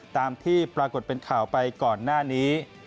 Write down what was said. ตามที่ปรากฏเป็นข่าวไปก่อนหน้านี้